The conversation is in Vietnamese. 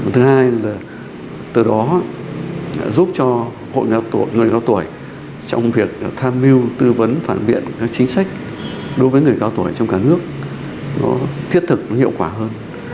thứ hai là từ đó giúp cho hội người cao tuổi trong việc tham mưu tư vấn phản biện các chính sách đối với người cao tuổi trong cả nước nó thiết thực nó hiệu quả hơn